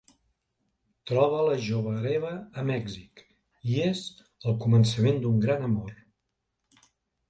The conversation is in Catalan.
Troba la jove hereva a Mèxic i és el començament d'un gran amor.